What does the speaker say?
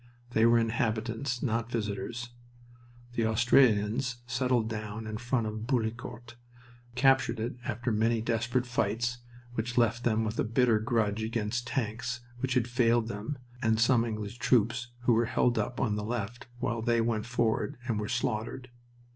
They were inhabitants, not visitors. The Australians settled down in front of Bullecourt, captured it after many desperate fights, which left them with a bitter grudge against tanks which had failed them and some English troops who were held up on the left while they went forward and were slaughtered.